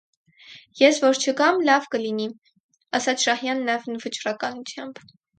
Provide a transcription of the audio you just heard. - Ես որ չգամ, լավ կլինի,- ասաց Շահյանն անվճռականությամբ: